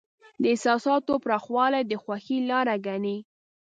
د احساساتو پراخوالی د خوښۍ لاره ګڼي.